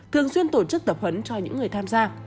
thường xuyên tổ chức tập huấn cho những người tham gia